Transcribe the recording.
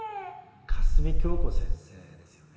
香澄今日子先生ですよね？